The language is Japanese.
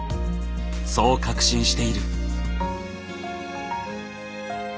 そう確信している。